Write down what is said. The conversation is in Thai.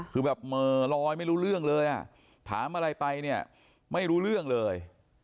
คือแบบเหม่อลอยไม่รู้เรื่องเลยอ่ะถามอะไรไปเนี่ยไม่รู้เรื่องเลย